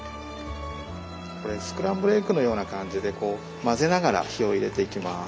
これスクランブルエッグのような感じでこう混ぜながら火を入れていきます。